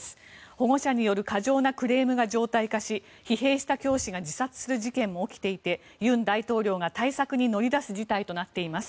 保護者による過剰なクレームが常態化し疲弊した教師が自殺する事件も起きていて尹大統領が対策に乗り出す事態となっています。